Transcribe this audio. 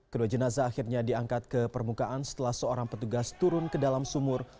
kedua jenazah akhirnya diangkat ke permukaan setelah seorang petugas turun ke dalam sumur